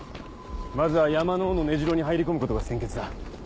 まずは山の王の根城に入り込むことが先決だ。